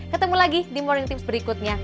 ketemu lagi di morning tips berikutnya